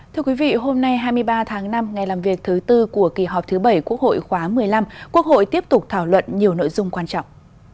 thưa quý vị hôm nay hai mươi ba tháng năm ngày làm việc thứ tư của kỳ họp thứ bảy quốc hội khóa một mươi năm quốc hội tiếp tục thảo luận nhiều nội dung quan trọng